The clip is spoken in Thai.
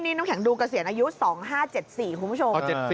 นี่น้ำแข็งดูเกษียณอายุ๒๕๗๔คุณผู้ชม